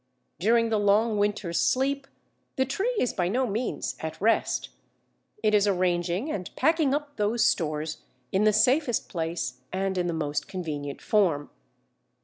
During the long winter's "sleep" the tree is by no means at rest. It is arranging and packing up those stores in the safest place and in the most convenient form.